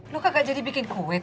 lo kagak jadi bikin kue tat